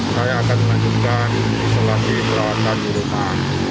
saya akan melanjutkan isolasi perawatan di rumah